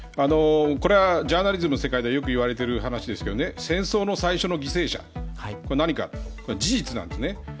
これはジャーナリズムの世界でよく言われている話ですが戦争の最初の犠牲者、これは何か事実なんです。